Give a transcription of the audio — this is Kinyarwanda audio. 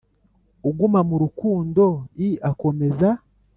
uguma mu rukundo l akomeza